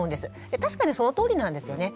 確かにそのとおりなんですよね。